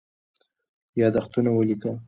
یادښتونه ولیکه.